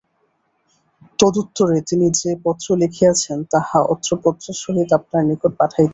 তদুত্তরে তিনি যে পত্র লিখিয়াছেন, তাহা অত্র পত্রের সহিত আপনার নিকট পাঠাইতেছি।